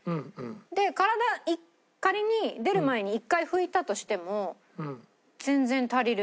で体仮に出る前に１回拭いたとしても全然足りる。